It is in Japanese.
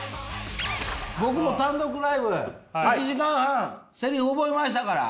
僕も単独ライブ１時間半セリフ覚えましたから。